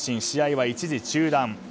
試合は一時中断。